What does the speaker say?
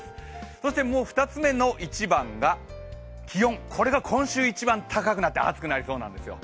そして２つ目の一番が気温、今週一番高くなって、暑くなりそうなんですよ。